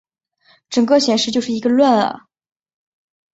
整个显示就是一个乱啊